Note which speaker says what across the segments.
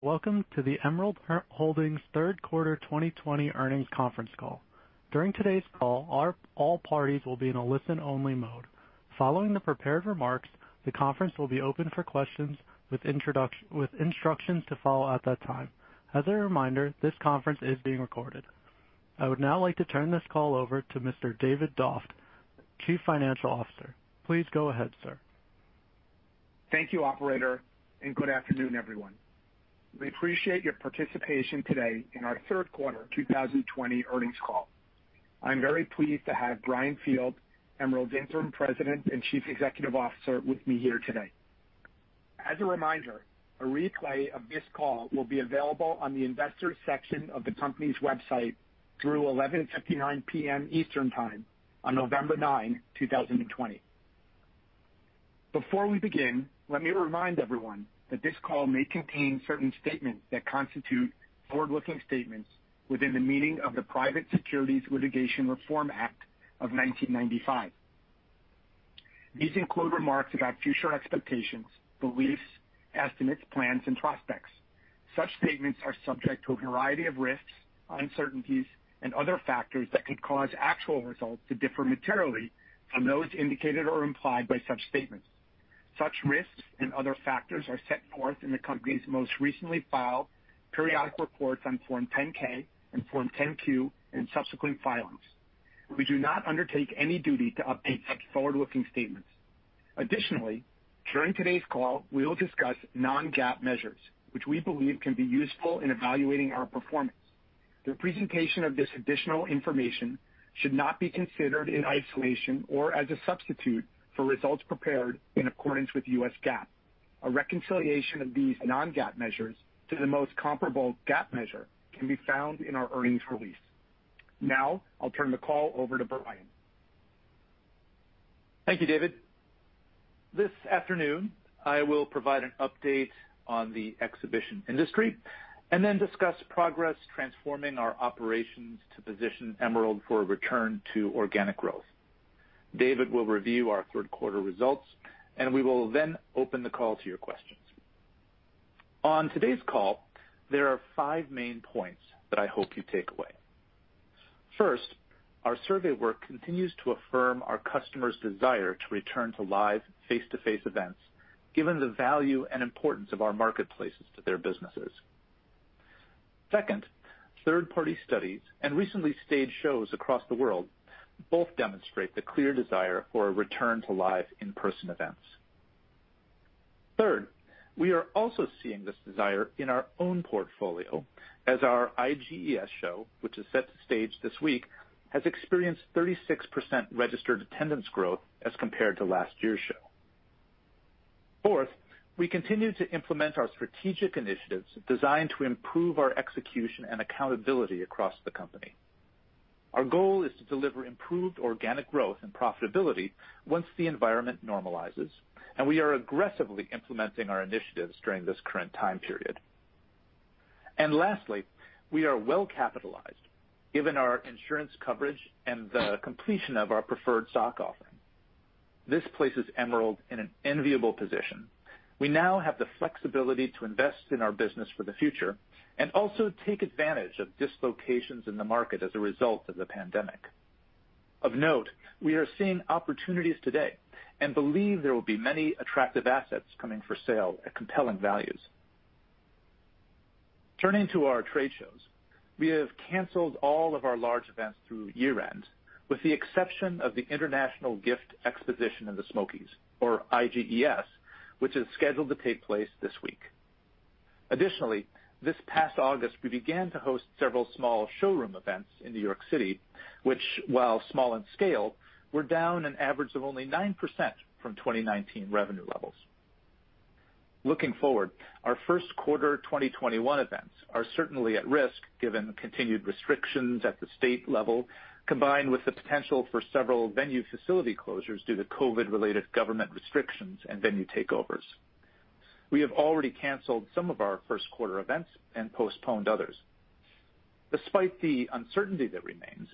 Speaker 1: Welcome to the Emerald X Holdings third quarter 2020 earnings conference call. During today's call, all parties will be in a listen-only mode. Following the prepared remarks, the conference will be open for questions with instructions to follow at that time. As a reminder, this conference is being recorded. I would now like to turn this call over to Mr. David Doft, Chief Financial Officer. Please go ahead, sir.
Speaker 2: Thank you, operator, and good afternoon, everyone. We appreciate your participation today in our third quarter 2020 earnings call. I'm very pleased to have Brian Field, Emerald's Interim President and Chief Executive Officer with me here today. As a reminder, a replay of this call will be available on the investors section of the company's website through 11:59 P.M. Eastern Time on November 9, 2020. Before we begin, let me remind everyone that this call may contain certain statements that constitute forward-looking statements within the meaning of the Private Securities Litigation Reform Act of 1995. These include remarks about future expectations, beliefs, estimates, plans, and prospects. Such statements are subject to a variety of risks, uncertainties, and other factors that could cause actual results to differ materially from those indicated or implied by such statements. Such risks and other factors are set forth in the company's most recently filed periodic reports on Form 10-K and Form 10-Q, and subsequent filings. We do not undertake any duty to update such forward-looking statements. Additionally, during today's call, we will discuss non-GAAP measures, which we believe can be useful in evaluating our performance. The presentation of this additional information should not be considered in isolation or as a substitute for results prepared in accordance with U.S. GAAP. A reconciliation of these non-GAAP measures to the most comparable GAAP measure can be found in our earnings release. Now, I'll turn the call over to Brian.
Speaker 3: Thank you, David. This afternoon, I will provide an update on the exhibition industry and then discuss progress transforming our operations to position Emerald for a return to organic growth. David will review our third quarter results, and we will then open the call to your questions. On today's call, there are five main points that I hope you take away. First, our survey work continues to affirm our customers' desire to return to live, face-to-face events given the value and importance of our marketplaces to their businesses. Second, third-party studies and recently staged shows across the world both demonstrate the clear desire for a return to live in-person events. Third, we are also seeing this desire in our own portfolio as our IGES show, which is set to stage this week, has experienced 36% registered attendance growth as compared to last year's show. Fourth, we continue to implement our strategic initiatives designed to improve our execution and accountability across the company. Our goal is to deliver improved organic growth and profitability once the environment normalizes, and we are aggressively implementing our initiatives during this current time period. Lastly, we are well capitalized given our insurance coverage and the completion of our preferred stock offering. This places Emerald in an enviable position. We now have the flexibility to invest in our business for the future and also take advantage of dislocations in the market as a result of the pandemic. Of note, we are seeing opportunities today and believe there will be many attractive assets coming for sale at compelling values. Turning to our trade shows, we have canceled all of our large events through year-end, with the exception of the International Gift Exposition in the Smokies, or IGES, which is scheduled to take place this week. Additionally, this past August, we began to host several small showroom events in New York City, which, while small in scale, were down an average of only 9% from 2019 revenue levels. Looking forward, our first quarter 2021 events are certainly at risk given the continued restrictions at the state level, combined with the potential for several venue facility closures due to COVID-related government restrictions and venue takeovers. We have already canceled some of our first quarter events and postponed others. Despite the uncertainty that remains,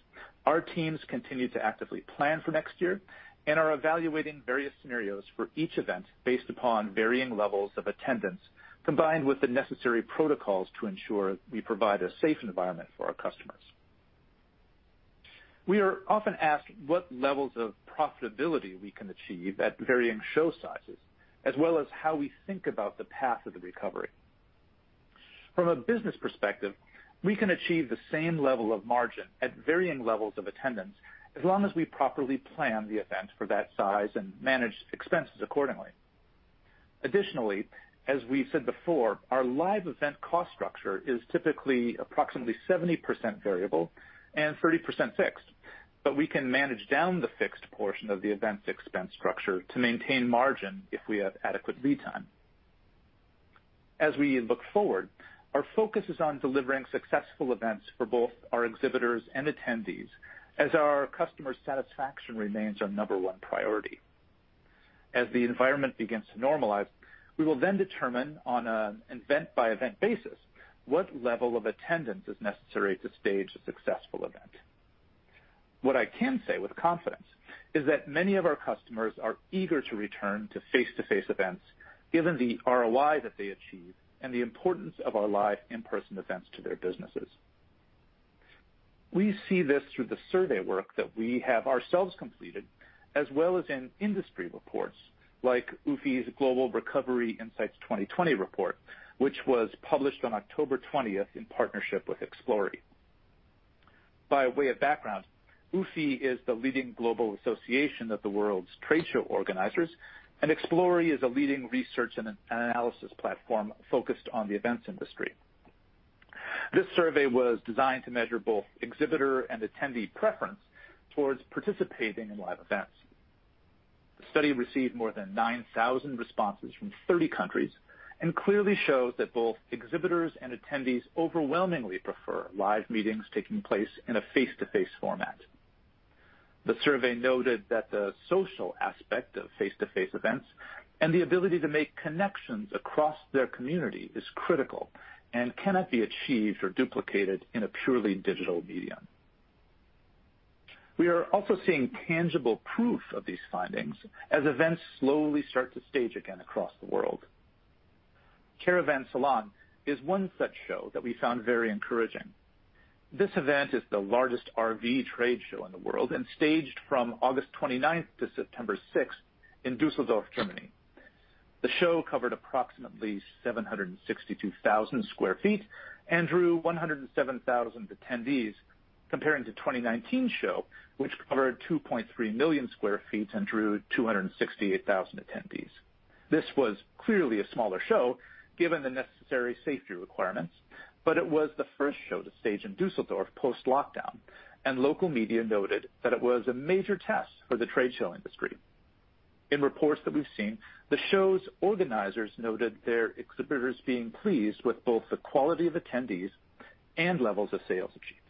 Speaker 3: our teams continue to actively plan for next year and are evaluating various scenarios for each event based upon varying levels of attendance, combined with the necessary protocols to ensure we provide a safe environment for our customers. We are often asked what levels of profitability we can achieve at varying show sizes, as well as how we think about the path of the recovery. From a business perspective, we can achieve the same level of margin at varying levels of attendance as long as we properly plan the event for that size and manage expenses accordingly. Additionally, as we said before, our live event cost structure is typically approximately 70% variable and 30% fixed, but we can manage down the fixed portion of the event's expense structure to maintain margin if we have adequate lead time. As we look forward, our focus is on delivering successful events for both our exhibitors and attendees as our number one priority. The environment begins to normalize, we will then determine on an event-by-event basis what level of attendance is necessary to stage a successful event. What I can say with confidence is that many of our customers are eager to return to face-to-face events given the ROI that they achieve and the importance of our live in-person events to their businesses. We see this through the survey work that we have ourselves completed, as well as in industry reports like UFI's Global Recovery Insights 2020 report, which was published on October 20th in partnership with Explori. By way of background, UFI is the leading global association of the world's trade show organizers, and Explori is a leading research and analysis platform focused on the events industry. This survey was designed to measure both exhibitor and attendee preference towards participating in live events. The study received more than 9,000 responses from 30 countries, and clearly shows that both exhibitors and attendees overwhelmingly prefer live meetings taking place in a face-to-face format. The survey noted that the social aspect of face-to-face events and the ability to make connections across their community is critical and cannot be achieved or duplicated in a purely digital medium. We are also seeing tangible proof of these findings as events slowly start to stage again across the world. CARAVAN SALON is one such show that we found very encouraging. This event is the largest RV trade show in the world and staged from August 29th to September 6th in Düsseldorf, Germany. The show covered approximately 762,000 sq ft and drew 107,000 attendees, comparing to 2019 show, which covered 2.3 million sq ft and drew 268,000 attendees. This was clearly a smaller show given the necessary safety requirements, but it was the first show to stage in Düsseldorf post-lockdown, and local media noted that it was a major test for the trade show industry. In reports that we've seen, the show's organizers noted their exhibitors being pleased with both the quality of attendees and levels of sales achieved.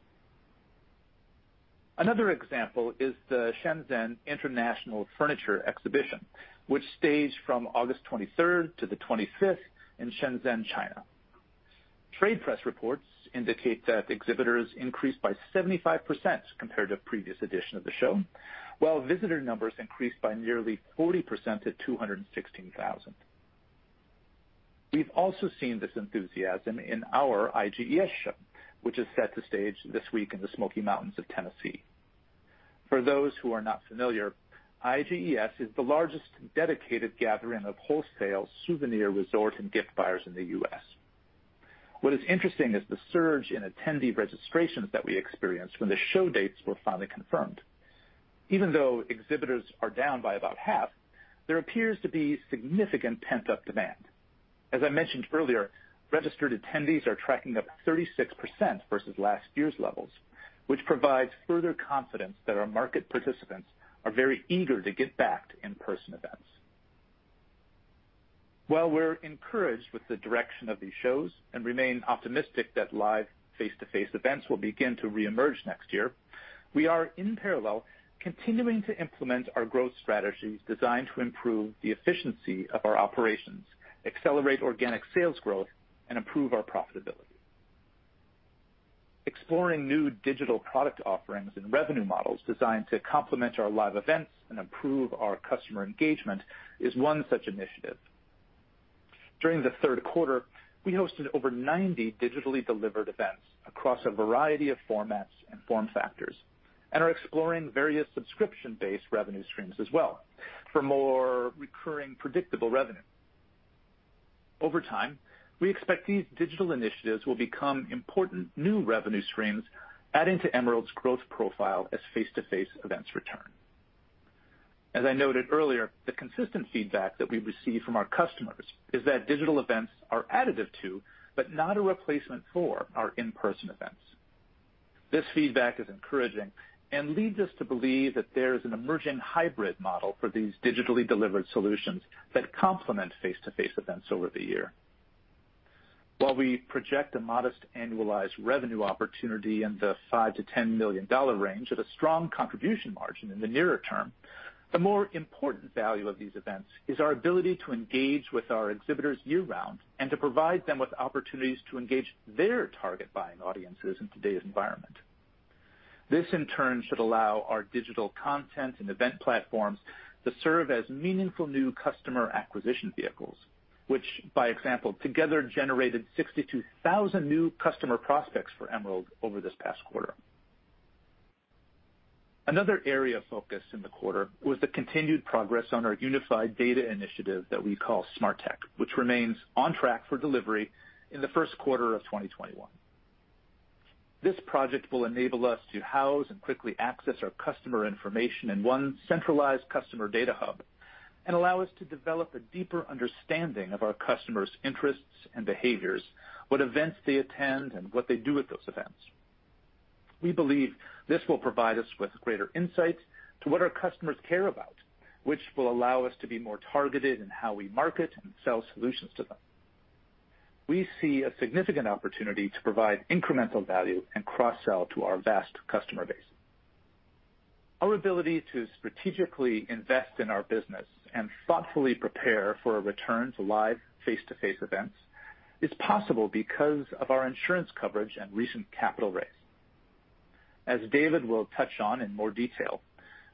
Speaker 3: Another example is the Shenzhen International Furniture Fair, which staged from August 23rd to the 25th in Shenzhen, China. Trade press reports indicate that exhibitors increased by 75% compared to previous edition of the show, while visitor numbers increased by nearly 40% to 216,000. We've also seen this enthusiasm in our IGES show, which is set to stage this week in the Smoky Mountains of Tennessee. For those who are not familiar, IGES is the largest dedicated gathering of wholesale souvenir resort and gift buyers in the U.S. What is interesting is the surge in attendee registrations that we experienced when the show dates were finally confirmed. Even though exhibitors are down by about half, there appears to be significant pent-up demand. As I mentioned earlier, registered attendees are tracking up 36% versus last year's levels, which provides further confidence that our market participants are very eager to get back to in-person events. While we're encouraged with the direction of these shows and remain optimistic that live face-to-face events will begin to reemerge next year, we are in parallel continuing to implement our growth strategies designed to improve the efficiency of our operations, accelerate organic sales growth, and improve our profitability. Exploring new digital product offerings and revenue models designed to complement our live events and improve our customer engagement is one such initiative. During the third quarter, we hosted over 90 digitally delivered events across a variety of formats and form factors, and are exploring various subscription-based revenue streams as well for more recurring predictable revenue. Over time, we expect these digital initiatives will become important new revenue streams adding to Emerald's growth profile as face-to-face events return. As I noted earlier, the consistent feedback that we receive from our customers is that digital events are additive to, but not a replacement for our in-person events. This feedback is encouraging and leads us to believe that there is an emerging hybrid model for these digitally delivered solutions that complement face-to-face events over the year. While we project a modest annualized revenue opportunity in the $5 million-$10 million range at a strong contribution margin in the nearer term, the more important value of these events is our ability to engage with our exhibitors year-round and to provide them with opportunities to engage their target buying audiences in today's environment. This in turn should allow our digital content and event platforms to serve as meaningful new customer acquisition vehicles, which by example together generated 62,000 new customer prospects for Emerald over this past quarter. Another area of focus in the quarter was the continued progress on our unified data initiative that we call Smart Tech, which remains on track for delivery in the first quarter of 2021. This project will enable us to house and quickly access our customer information in one centralized customer data hub and allow us to develop a deeper understanding of our customers' interests and behaviors, what events they attend, and what they do at those events. We believe this will provide us with greater insights to what our customers care about, which will allow us to be more targeted in how we market and sell solutions to them. We see a significant opportunity to provide incremental value and cross-sell to our vast customer base. Our ability to strategically invest in our business and thoughtfully prepare for a return to live face-to-face events is possible because of our insurance coverage and recent capital raise. As David will touch on in more detail,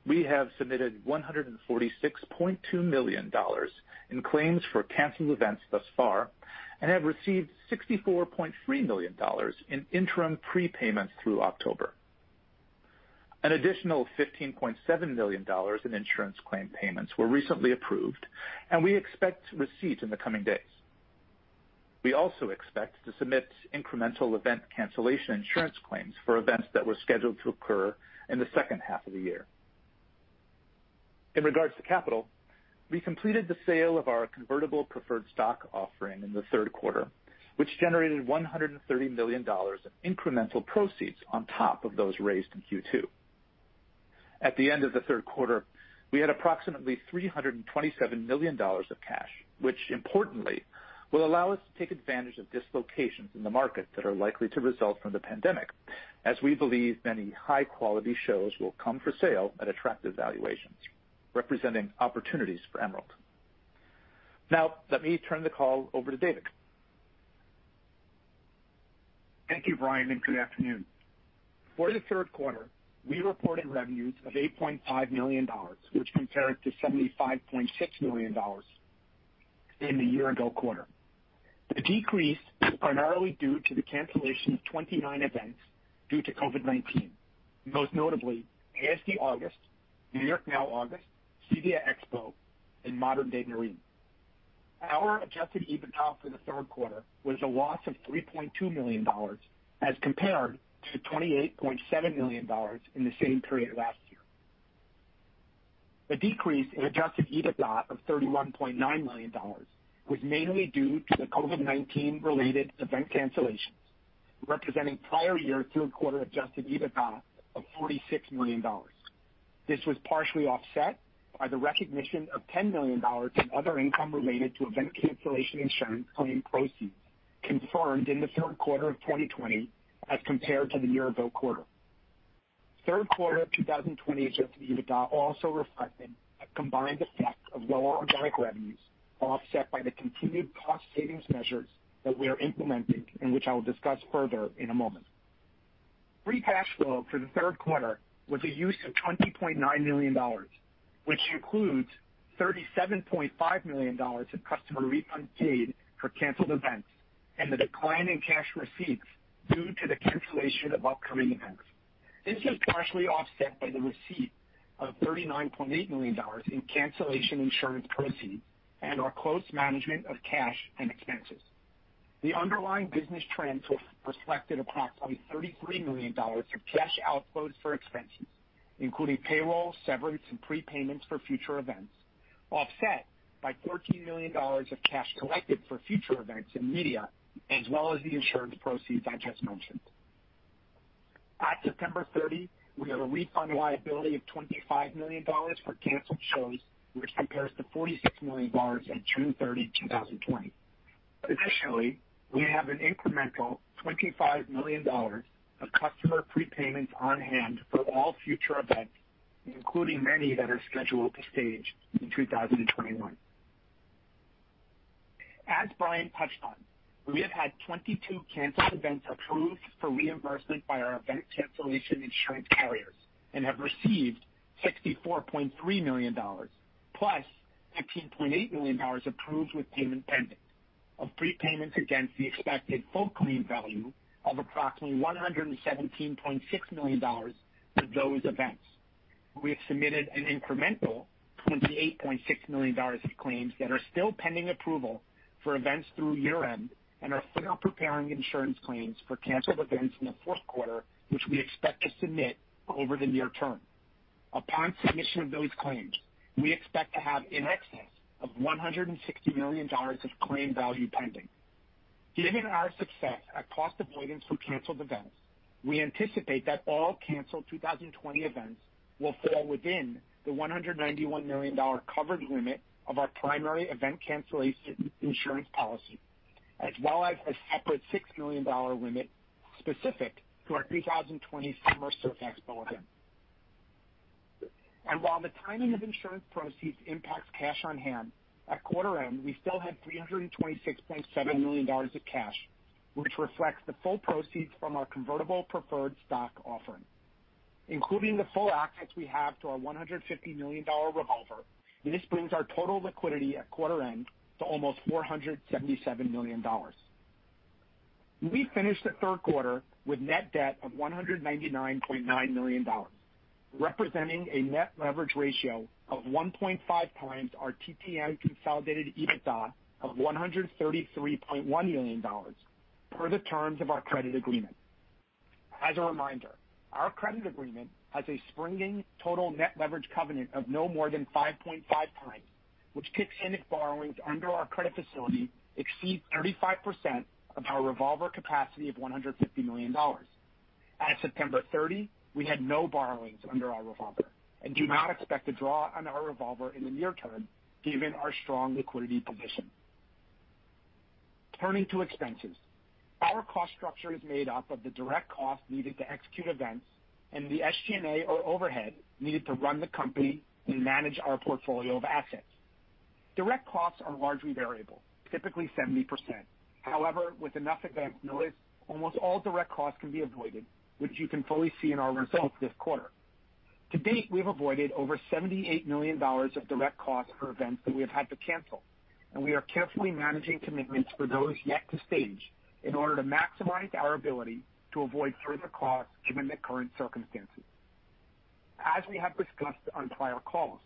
Speaker 3: we have submitted $146.2 million in claims for canceled events thus far and have received $64.3 million in interim prepayments through October. An additional $15.7 million in insurance claim payments were recently approved, and we expect receipts in the coming days. We also expect to submit incremental event cancellation insurance claims for events that were scheduled to occur in the second half of the year. In regards to capital, we completed the sale of our convertible preferred stock offering in the third quarter, which generated $130 million of incremental proceeds on top of those raised in Q2. At the end of the third quarter, we had approximately $327 million of cash, which importantly will allow us to take advantage of dislocations in the market that are likely to result from the pandemic, as we believe many high-quality shows will come for sale at attractive valuations, representing opportunities for Emerald. Let me turn the call over to David.
Speaker 2: Thank you, Brian. Good afternoon. For the third quarter, we reported revenues of $8.5 million, which compared to $75.6 million in the year-ago quarter. The decrease is primarily due to the cancellation of 29 events due to COVID-19, most notably ASD Market Week, NY NOW, CEDIA Expo, and Modern Day Marine. Our adjusted EBITDA for the third quarter was a loss of $3.2 million as compared to $28.7 million in the same period last year. The decrease in adjusted EBITDA of $31.9 million was mainly due to the COVID-19 related event cancellations, representing prior year third quarter adjusted EBITDA of $46 million. This was partially offset by the recognition of $10 million in other income related to event cancellation insurance claim proceeds confirmed in the third quarter of 2020 as compared to the year-ago quarter. Third quarter of 2020 adjusted EBITDA also reflected a combined effect of lower organic revenues offset by the continued cost savings measures that we are implementing and which I will discuss further in a moment. Free cash flow for the third quarter was a use of $20.9 million, which includes $37.5 million of customer refunds paid for canceled events and the decline in cash receipts due to the cancellation of upcoming events. This is partially offset by the receipt of $39.8 million in cancellation insurance proceeds and our close management of cash and expenses. The underlying business trends reflected approximately $33 million of cash outflows for expenses, including payroll, severance, and prepayments for future events, offset by $14 million of cash collected for future events and media, as well as the insurance proceeds I just mentioned. At September 30, we had a refund liability of $25 million for canceled shows, which compares to $46 million at June 30, 2020. Additionally, we have an incremental $25 million of customer prepayments on hand for all future events, including many that are scheduled to stage in 2021. As Brian touched on, we have had 22 canceled events approved for reimbursement by our event cancellation insurance carriers and have received $64.3 million, plus $15.8 million approved with payment pending of prepayments against the expected full claim value of approximately $117.6 million for those events. We have submitted an incremental $28.6 million of claims that are still pending approval for events through year-end and are still preparing insurance claims for canceled events in the fourth quarter, which we expect to submit over the near term. Upon submission of those claims, we expect to have in excess of $160 million of claim value pending. Given our success at cost avoidance from canceled events, we anticipate that all canceled 2020 events will fall within the $191 million covered limit of our primary event cancellation insurance policy, as well as a separate $6 million limit specific to our 2020 Summer Surf Expo event. While the timing of insurance proceeds impacts cash on hand, at quarter end, we still had $326.7 million of cash, which reflects the full proceeds from our convertible preferred stock offering. Including the full access we have to our $150 million revolver, this brings our total liquidity at quarter end to almost $477 million. We finished the third quarter with net debt of $199.9 million, representing a net leverage ratio of 1.5x our TTM consolidated EBITDA of $133.1 million per the terms of our credit agreement. As a reminder, our credit agreement has a springing total net leverage covenant of no more than 5.5x, which kicks in if borrowings under our credit facility exceed 35% of our revolver capacity of $150 million. At September 30, we had no borrowings under our revolver and do not expect to draw on our revolver in the near term given our strong liquidity position. Turning to expenses. Our cost structure is made up of the direct costs needed to execute events and the SG&A or overhead needed to run the company and manage our portfolio of assets. Direct costs are largely variable, typically 70%. However, with enough advance notice, almost all direct costs can be avoided, which you can fully see in our results this quarter. To date, we've avoided over $78 million of direct costs for events that we have had to cancel, and we are carefully managing commitments for those yet to stage in order to maximize our ability to avoid further costs given the current circumstances. As we have discussed on prior calls,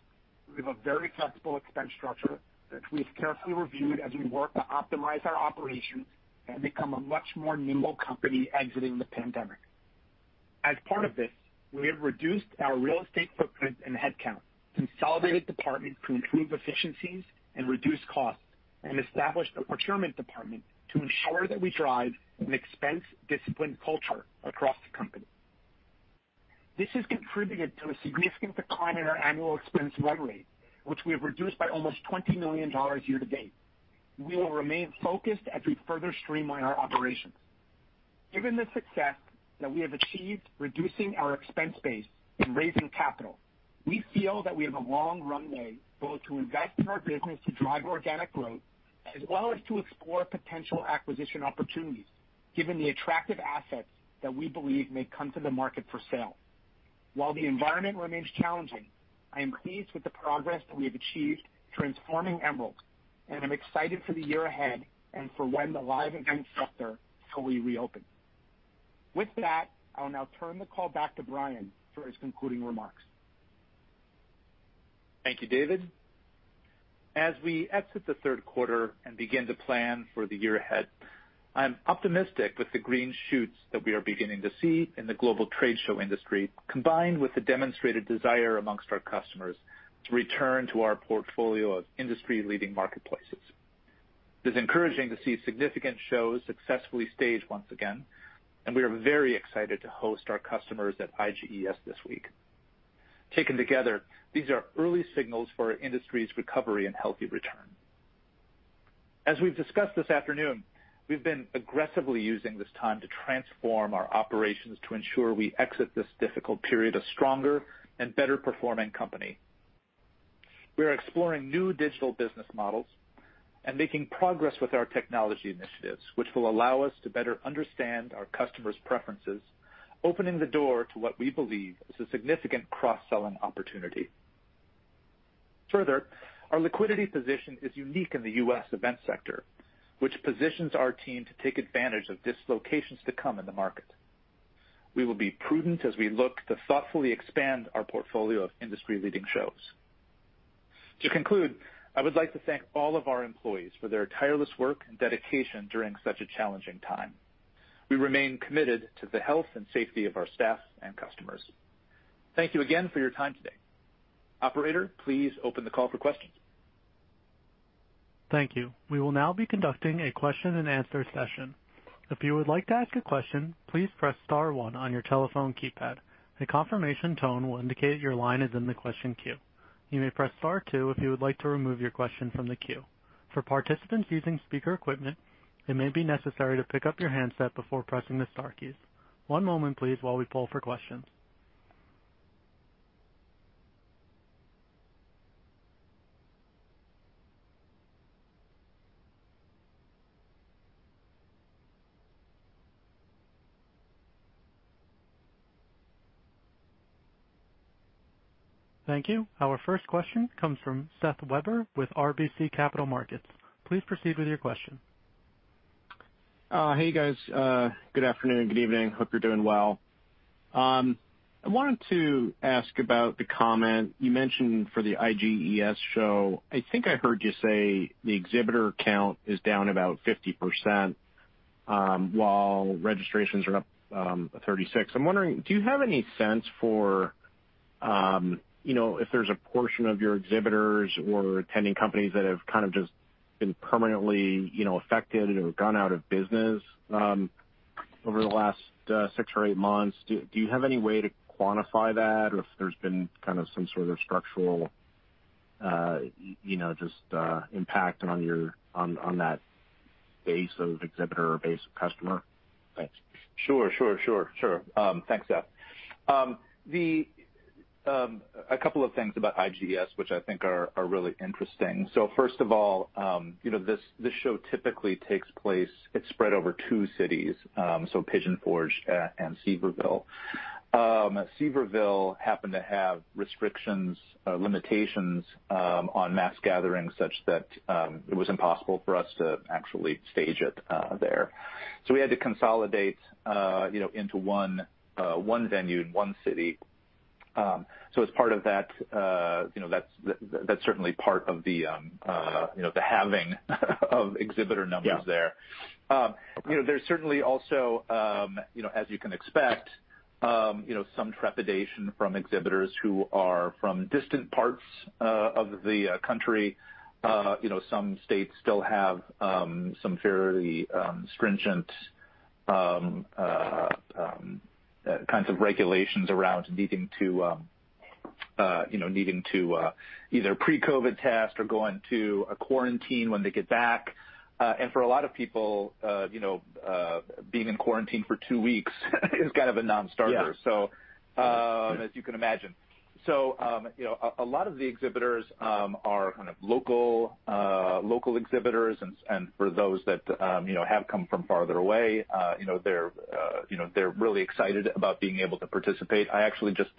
Speaker 2: we have a very flexible expense structure that we've carefully reviewed as we work to optimize our operations and become a much more nimble company exiting the COVID-19 pandemic. As part of this, we have reduced our real estate footprint and headcount, consolidated departments to improve efficiencies and reduce costs, and established a procurement department to ensure that we drive an expense-disciplined culture across the company. This has contributed to a significant decline in our annual expense run rate, which we have reduced by almost $20 million year to date. We will remain focused as we further streamline our operations. Given the success that we have achieved reducing our expense base and raising capital, we feel that we have a long runway both to invest in our business to drive organic growth, as well as to explore potential acquisition opportunities, given the attractive assets that we believe may come to the market for sale. While the environment remains challenging, I am pleased with the progress that we have achieved transforming Emerald, and I'm excited for the year ahead and for when the live event sector fully reopens. With that, I'll now turn the call back to Brian for his concluding remarks.
Speaker 3: Thank you, David. As we exit the third quarter and begin to plan for the year ahead, I am optimistic with the green shoots that we are beginning to see in the global trade show industry, combined with the demonstrated desire amongst our customers to return to our portfolio of industry-leading marketplaces. It is encouraging to see significant shows successfully staged once again, and we are very excited to host our customers at IGES this week. Taken together, these are early signals for our industry's recovery and healthy return. As we've discussed this afternoon, we've been aggressively using this time to transform our operations to ensure we exit this difficult period a stronger and better-performing company. We are exploring new digital business models and making progress with our technology initiatives, which will allow us to better understand our customers' preferences, opening the door to what we believe is a significant cross-selling opportunity. Further, our liquidity position is unique in the U.S. events sector, which positions our team to take advantage of dislocations to come in the market. We will be prudent as we look to thoughtfully expand our portfolio of industry-leading shows. To conclude, I would like to thank all of our employees for their tireless work and dedication during such a challenging time. We remain committed to the health and safety of our staff and customers. Thank you again for your time today. Operator, please open the call for questions.
Speaker 1: Thank you. We will now be conducting a question and answer session. If you would like to ask a question, please press star one on your telephone keypad. A confirmation tone will indicate your line is in the question queue. You may press star two if you would like to remove your question from the queue. For participants using speaker equipment, it may be necessary to pick up your handset before pressing the star keys. One moment, please, while we poll for questions. Thank you. Our first question comes from Seth Weber with RBC Capital Markets. Please proceed with your question.
Speaker 4: Hey, guys. Good afternoon, good evening. Hope you're doing well. I wanted to ask about the comment you mentioned for the IGES show. I think I heard you say the exhibitor count is down about 50%, while registrations are up 36%. I'm wondering, do you have any sense for if there's a portion of your exhibitors or attending companies that have kind of just been permanently affected or gone out of business over the last six or eight months? Do you have any way to quantify that? Or if there's been kind of some sort of structural just impact on that base of exhibitor or base of customer? Thanks.
Speaker 3: Sure. Thanks, Seth. A couple of things about IGES, which I think are really interesting. First of all, this show typically takes place. It's spread over two cities, so Pigeon Forge and Sevierville. Sevierville happened to have restrictions, limitations on mass gatherings such that it was impossible for us to actually stage it there. We had to consolidate into one venue in one city. As part of that's certainly part of the halving of exhibitor numbers there.
Speaker 4: Yeah.
Speaker 3: There's certainly also, as you can expect, some trepidation from exhibitors who are from distant parts of the country. Some states still have some fairly stringent kinds of regulations around needing to either pre-COVID test or go into a quarantine when they get back. For a lot of people, being in quarantine for two weeks is a non-starter.
Speaker 4: Yeah.
Speaker 3: As you can imagine. A lot of the exhibitors are local exhibitors and for those that have come from farther away they're really excited about being able to participate. I actually just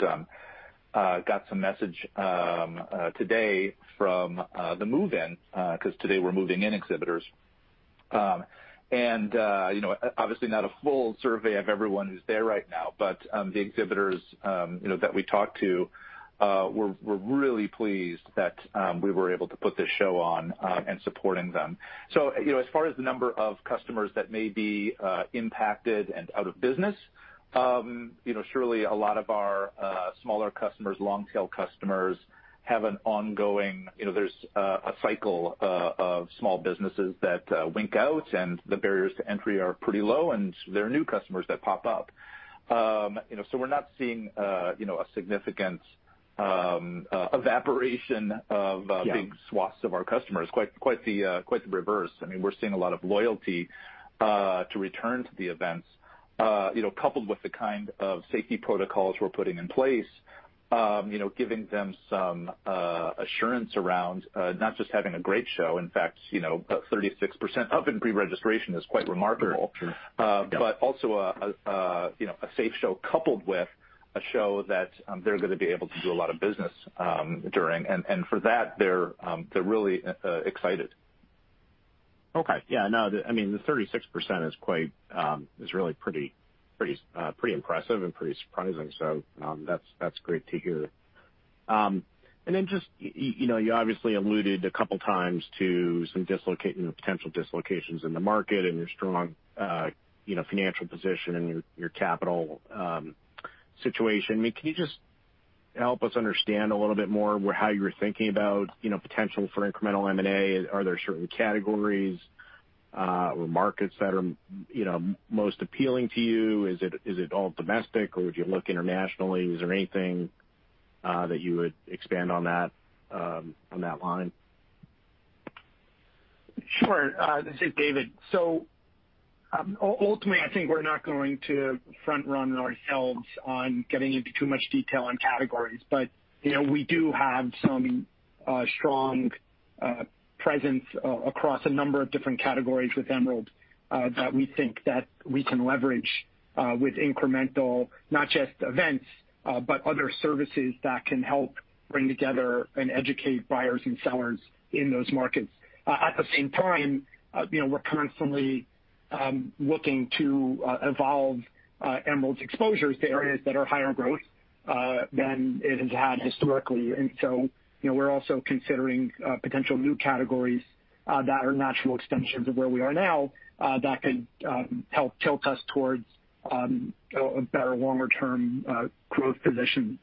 Speaker 3: got some message today from the move-in, because today we're moving in exhibitors. Obviously not a full survey of everyone who's there right now, but the exhibitors that we talked to were really pleased that we were able to put this show on and supporting them. As far as the number of customers that may be impacted and out of business, surely a lot of our smaller customers, long-tail customers have an ongoing-- there's a cycle of small businesses that wink out, and the barriers to entry are pretty low, and there are new customers that pop up. We're not seeing a significant evaporation of...
Speaker 4: Yeah
Speaker 3: ...big swaths of our customers. Quite the reverse. We're seeing a lot of loyalty to return to the events, coupled with the kind of safety protocols we're putting in place, giving them some assurance around not just having a great show, in fact, 36% up in pre-registration is quite remarkable.
Speaker 4: Sure. Yeah.
Speaker 3: Also a safe show coupled with a show that they're going to be able to do a lot of business during. For that, they're really excited.
Speaker 4: Okay. Yeah, no, the 36% is really pretty impressive and pretty surprising. That's great to hear. Just, you obviously alluded a couple of times to some potential dislocations in the market and your strong financial position and your capital situation. Can you just help us understand a little bit more how you're thinking about potential for incremental M&A? Are there certain categories or markets that are most appealing to you? Is it all domestic or would you look internationally? Is there anything that you would expand on that line?
Speaker 2: Sure. This is David. Ultimately, I think we're not going to front-run ourselves on getting into too much detail on categories. We do have some strong presence across a number of different categories with Emerald that we think that we can leverage with incremental, not just events, but other services that can help bring together and educate buyers and sellers in those markets. At the same time, we're constantly looking to evolve Emerald's exposures to areas that are higher growth than it has had historically. We're also considering potential new categories that are natural extensions of where we are now that could help tilt us towards a better longer-term growth position.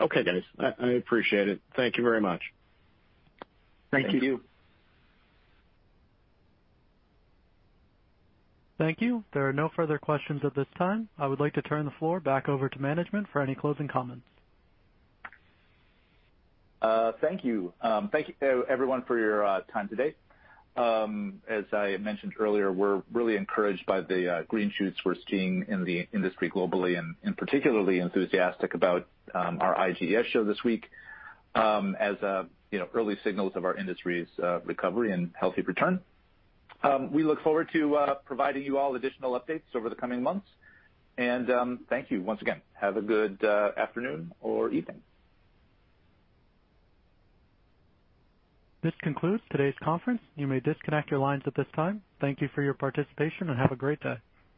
Speaker 4: Okay, guys. I appreciate it. Thank you very much.
Speaker 2: Thank you.
Speaker 3: Thank you.
Speaker 1: Thank you. There are no further questions at this time. I would like to turn the floor back over to management for any closing comments.
Speaker 3: Thank you. Thank you everyone for your time today. As I mentioned earlier, we're really encouraged by the green shoots we're seeing in the industry globally, and particularly enthusiastic about our IGES show this week as early signals of our industry's recovery and healthy return. We look forward to providing you all additional updates over the coming months, and thank you once again. Have a good afternoon or evening.
Speaker 1: This concludes today's conference. You may disconnect your lines at this time. Thank you for your participation and have a great day.